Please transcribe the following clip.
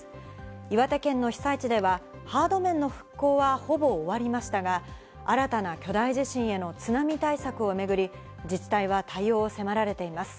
岩手県の被災地ではハード面の復興はほぼ終わりましたが、新たな巨大地震への津波対策をめぐり、自治体は対応を迫られています。